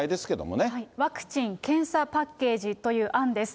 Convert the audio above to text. ワクチン・検査パッケージという案です。